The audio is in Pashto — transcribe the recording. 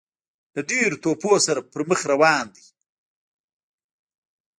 له ډیرو توپونو سره پر مخ روان دی.